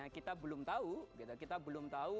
kita belum tahu kita belum tahu